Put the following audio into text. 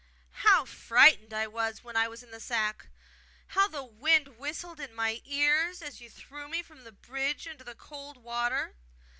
How frightened I was when I was in the sack! How the wind whistled in my ears as you threw me from the bridge into the cold water!